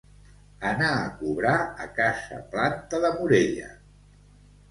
Anar a cobrar a casa Planta de Morella.